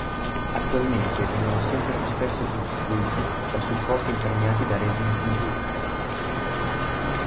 Attualmente vengono sempre più spesso sostituiti da supporti impregnati da resine sintetiche.